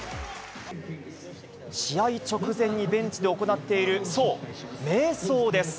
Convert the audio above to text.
試合直前にベンチで行っている、そう、めい想です。